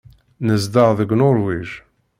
Nezdeɣ deg Nuṛwij.